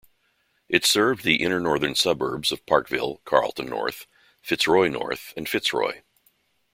It served the inner-northern suburbs of Parkville, Carlton North, Fitzroy North, and Fitzroy.